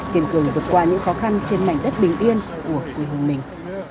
tiền cường vượt qua những khó khăn trên mảnh đất bình yên của người hùng mình